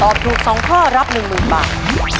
ตอบถูก๒ข้อรับ๑๐๐๐๐๐๐บาท